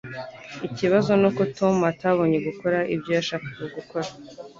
Ikibazo nuko Tom atabonye gukora ibyo yashakaga gukora